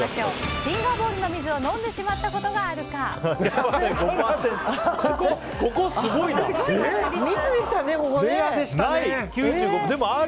フィンガーボウルの水を飲んでしまったことがある？